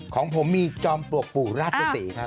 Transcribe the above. ของผมมีจอมปลวกปู่ราชศรีครับ